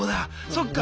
そっか。